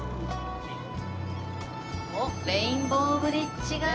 おおっレインボーブリッジが。